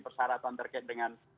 persyaratan terkait dengan